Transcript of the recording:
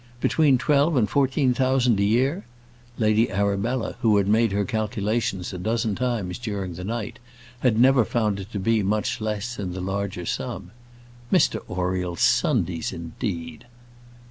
Between twelve and fourteen thousand a year! Lady Arabella, who had made her calculations a dozen times during the night, had never found it to be much less than the larger sum. Mr Oriel's Sundays, indeed!